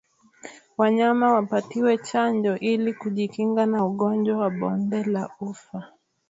Wanyama wapatiwe chanjo ili kujikinga na ugonjwa wa bonde la ufa